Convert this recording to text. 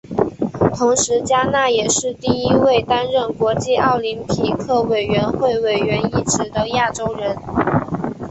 同时嘉纳也是第一位担任国际奥林匹克委员会委员一职的亚洲人。